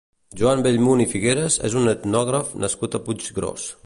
Joan Bellmunt i Figueras és un etnògraf nascut a Puiggròs.